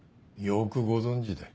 よくご存じで。